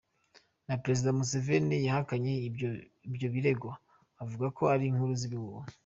Na Perezida Museveni yahakanye ibyo birego, avuga ko ari "inkuru z'ibihuha.